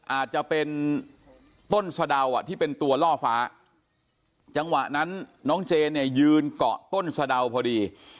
อาจจะเป็นต้นสะดาวที่เป็นตัวล่อฟ้าจังหวะนั้นน้องเจนเนี่ยยืนเกาะต้นสะดาวพอดี